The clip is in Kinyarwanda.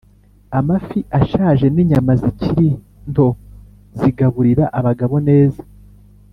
amafi ashaje ninyama zikiri nto zigaburira abagabo neza